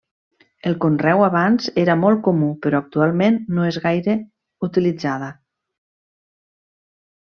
El conreu abans era molt comú però actualment no és gaire utilitzada.